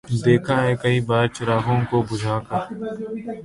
دیکھا ہے کئی بار چراغوں کو بجھا کر